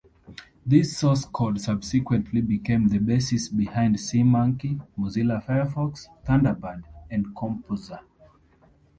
This source code subsequently became the basis behind SeaMonkey, Mozilla Firefox, Thunderbird and KompoZer.